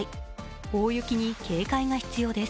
大雪に警戒が必要です。